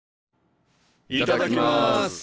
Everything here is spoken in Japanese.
いただきます。